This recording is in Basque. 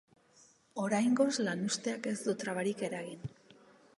Oraingoz, lanuzteak ez du trabarik eragin.